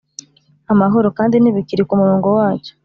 amahoro! kandi ntibikiri kumurongo wacyo